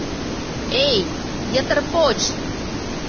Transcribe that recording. — Эй, йытыр поч!